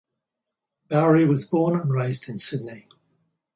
Bowrey was born and raised in Sydney.